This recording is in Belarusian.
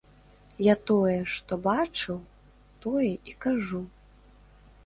Я тое, што бачыў, тое і кажу.